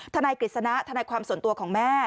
นายกฤษณะทนายความส่วนตัวของแม่